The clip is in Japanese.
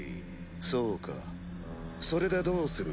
そうかそれでどうする？